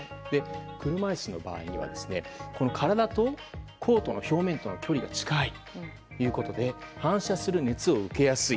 車いすの場合は体とコートの表面との距離が近いということで反射する熱を受けやすい。